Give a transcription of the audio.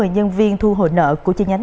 một mươi nhân viên thu hồi nợ của chi nhánh